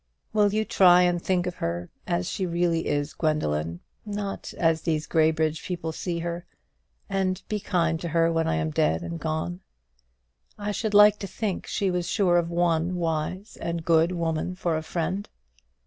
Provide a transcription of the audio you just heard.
Will you try and think of her as she really is, Gwendoline, not as these Graybridge people see her, and be kind to her when I am dead and gone? I should like to think she was sure of one wise and good woman for a friend.